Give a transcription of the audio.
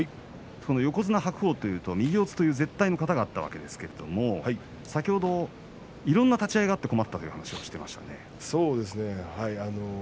横綱白鵬というと右四つという絶対の型があったわけですが先ほど、いろんな立ち合いがあって困ったというそうですね。